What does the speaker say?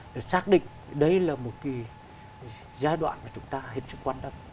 để xác định đây là một cái giai đoạn mà chúng ta hết sức quan tâm